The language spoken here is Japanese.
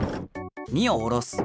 ２をおろす。